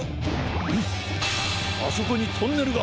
むっあそこにトンネルが！